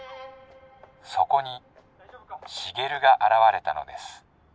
そこに重流が現れたのです。